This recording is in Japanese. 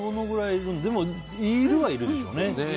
いるは、いるでしょうね。